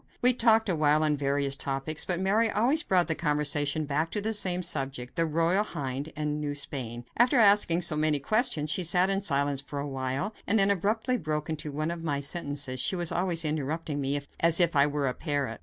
We talked awhile on various topics, but Mary always brought the conversation back to the same subject, the Royal Hind and New Spain. After asking many questions, she sat in silence for a time, and then abruptly broke into one of my sentences she was always interrupting me as if I were a parrot.